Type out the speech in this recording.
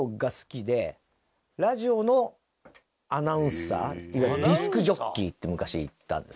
ラジオのアナウンサーいわゆるディスクジョッキーって昔言ったんですけど。